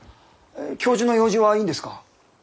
教授の用事はいいんですか？